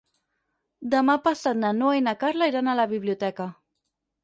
Demà passat na Noa i na Carla iran a la biblioteca.